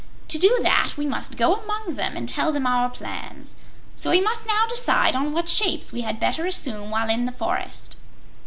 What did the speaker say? To do that, we must go among them and tell them our plans, so we must now decide on what shapes we had better assume while in the forest."